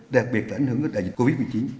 đặc biệt là ảnh hưởng của đại dịch covid một mươi chín